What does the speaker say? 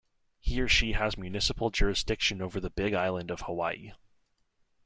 He or she has municipal jurisdiction over the Big Island of Hawaii.